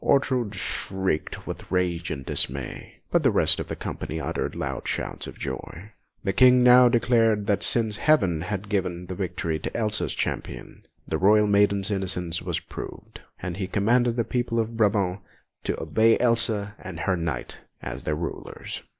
Ortrud shrieked with rage and dismay, but the rest of the company uttered loud shouts of joy. The King now declared that since Heaven had given the victory to Elsa's Champion, the royal maiden's innocence was proved; and he commanded the people of Brabant to obey Elsa and her Knight as their rulers.